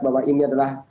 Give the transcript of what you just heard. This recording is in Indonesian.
bahwa ini adalah